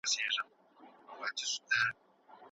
له نیستۍ څخه یې شتمنۍ ته رسولي.